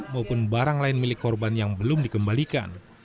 maupun barang lain milik korban yang belum dikembalikan